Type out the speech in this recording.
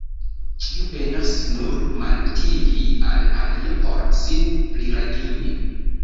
Ĉiu penas nur malutili al alia por sin plirangigi.